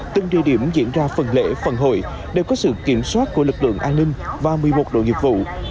từng địa điểm diễn ra phần lễ phần hội đều có sự kiểm soát của lực lượng an ninh và một mươi một đội nghiệp vụ